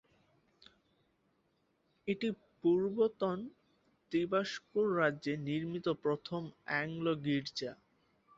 এটি পূর্বতন ত্রিবাঙ্কুর রাজ্যে নির্মিত প্রথম অ্যাংলো গির্জা।